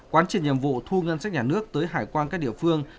quan triển nhiệm vụ thu ngân sách nhà nước tới hải quan các địa phương